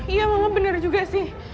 iya mama benar juga sih